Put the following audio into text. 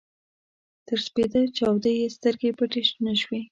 تر سپېده چاوده يې سترګې پټې نه شوې.